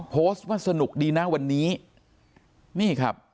โพสต์ว่าสนุกดีนะวันนี้